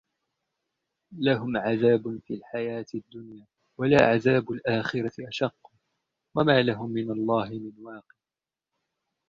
لَهُمْ عَذَابٌ فِي الْحَيَاةِ الدُّنْيَا وَلَعَذَابُ الْآخِرَةِ أَشَقُّ وَمَا لَهُمْ مِنَ اللَّهِ مِنْ وَاقٍ